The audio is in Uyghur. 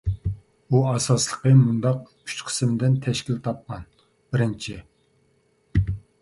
ئۇ ئاساسلىقى مۇنداق ئۈچ چوڭ قىسىمدىن تەشكىل تاپقان: بىرىنچى.